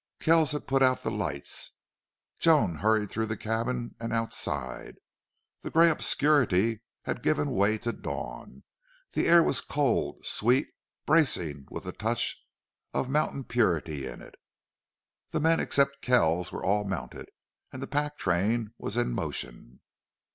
Kells had put out the lights. Joan hurried through the cabin and outside. The gray obscurity had given way to dawn. The air was cold, sweet, bracing with the touch of mountain purity in it. The men, except Kells, were all mounted, and the pack train was in motion.